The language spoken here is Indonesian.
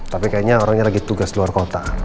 tapi kayaknya orangnya lagi tugas luar kota